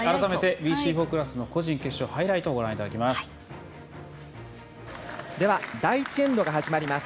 ＢＣ４クラスの個人決勝ハイライトをご覧いただきます。